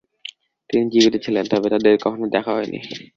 তিনি জীবিত ছিলেন তবে তাদের কখনো দেখা হয়নি।